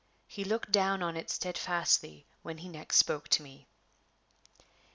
He looked down on it steadfastly when he next spoke to me.